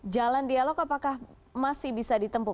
jalan dialog apakah masih bisa ditempuh